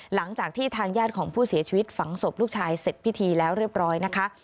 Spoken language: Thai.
หลังจากที่ทางญาติของผู้เสียชีวิตฝังศพลูกชายเสร็จพิธีแล้วเรียบร้อยนะคะ